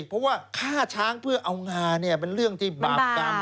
เพราะว่าฆ่าช้างเพื่อเอางาเนี่ยเป็นเรื่องที่บาปกรรม